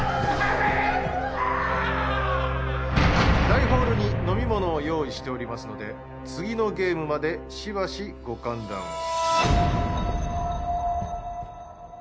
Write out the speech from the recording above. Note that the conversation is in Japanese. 大ホールに飲み物を用意しておりますので次のゲームまでしばしご歓談を。